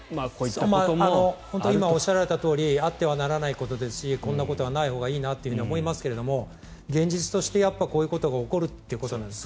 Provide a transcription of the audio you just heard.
本当に今、おっしゃられたようにあってはならないことですしこんなことはないほうがいいなと思いますけど現実として、こういうことが起こるということなんですね。